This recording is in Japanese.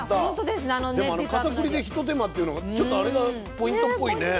でもあのかたくりで一手間っていうのがちょっとあれがポイントっぽいね。